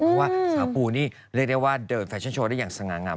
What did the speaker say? เพราะว่าสาวปูนี่เรียกได้ว่าเดินแฟชั่นโชว์ได้อย่างสง่างาม